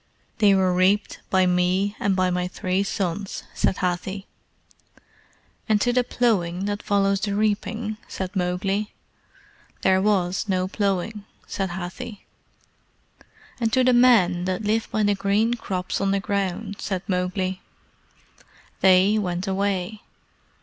"They were reaped by me and by my three sons," said Hathi. "And to the ploughing that follows the reaping?" said Mowgli. "There was no ploughing," said Hathi. "And to the men that live by the green crops on the ground?" said Mowgli. "They went away."